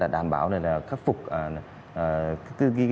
đảm bảo là khắc phục